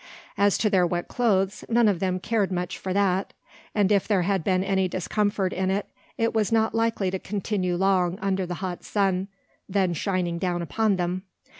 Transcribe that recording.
As to their wet clothes, none of them cared much for that; and if there had been any discomfort in it, it was not likely to continue long under the hot sun then shining down upon them.